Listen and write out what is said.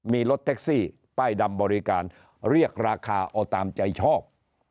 มีรถแท็กซี่ป้ายดำบริการเรียกราคาเอาตามใจชอบ